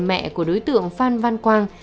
mẹ của đối tượng phan văn quang